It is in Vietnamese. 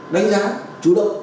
đánh giá chủ động